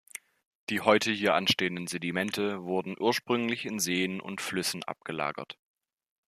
Die heute hier anstehenden Sedimente wurden ursprünglich in Seen und Flüssen abgelagert.